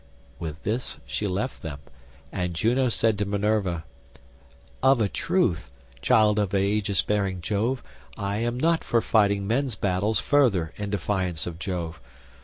With this she left them, and Juno said to Minerva, "Of a truth, child of aegis bearing Jove, I am not for fighting men's battles further in defiance of Jove.